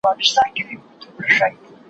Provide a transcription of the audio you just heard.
له ناکامه یې ځان سیند ته ور ایله کړ